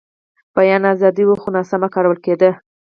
بیان ازادي وه، خو ناسمه کارول کېده.